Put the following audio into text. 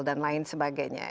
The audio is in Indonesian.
dan lain sebagainya